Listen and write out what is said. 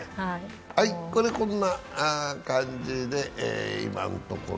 こんな感じで今のところ。